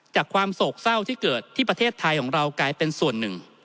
ความโศกเศร้าที่เกิดที่ประเทศไทยของเรากลายเป็นส่วนหนึ่ง